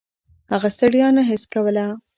هغه ستړیا نه حس کوله.